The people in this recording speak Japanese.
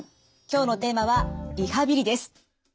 今日のテーマは「リハビリ」です。